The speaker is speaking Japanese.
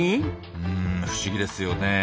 うん不思議ですよね。